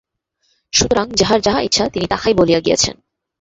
সুতরাং যাঁহার যাহা ইচ্ছা, তিনি তাহাই বলিয়া গিয়াছেন।